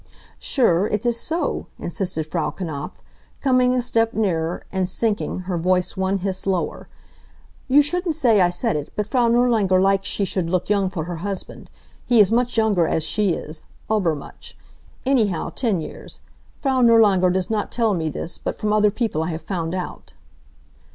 "Sure, it is so," insisted Frau Knapf, coming a step nearer, and sinking her, voice one hiss lower. "You shouldn't say I said it, but Frau Nirlanger likes she should look young for her husband. He is much younger as she is aber much. Anyhow ten years. Frau Nirlanger does not tell me this, but from other people I have found out."